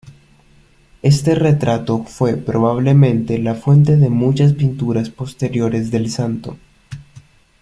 Este retrato fue probablemente la fuente de muchas pinturas posteriores del santo.